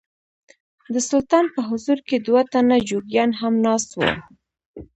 د سلطان په حضور کې دوه تنه جوګیان هم ناست وو.